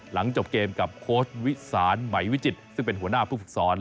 หลังจบเกมกับโค้ชวิสานไหมวิจิตซึ่งเป็นหัวหน้าผู้ฝึกสอน